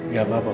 gak apa apa bu